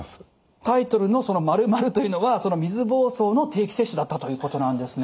タイトルの○○というのは水ぼうそうの定期接種だったということなんですね。